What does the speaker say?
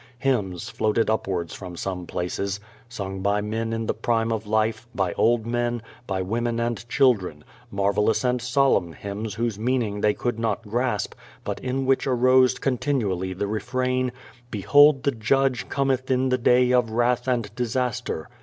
Hymns floated upwards from some places, — sung by men in the prime of life, by old men, by women and children — ^marvelous and solemn hymns whose meaning they could not grasp, but in which arose continually the refrain: "Behold the Judge cometh in the day of wrath and disaster!'